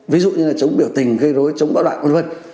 ví dụ như là chống biểu tình gây rối chống bão đoạn v v